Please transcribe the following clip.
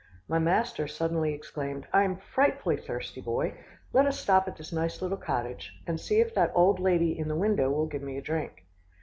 My master suddenly exclaimed, "I am frightfully thirsty, Boy. Let us stop at this nice little cottage, and see if that old lady in the window will give me a drink."